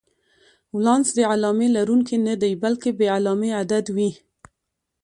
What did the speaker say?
ولانس د علامې لرونکی نه دی، بلکې بې علامې عدد وي.